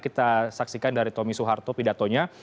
kita saksikan dari tommy soeharto pidatonya